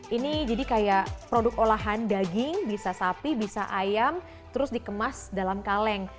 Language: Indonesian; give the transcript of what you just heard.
ini jadi kayak produk olahan daging bisa sapi bisa ayam terus dikemas dalam kaleng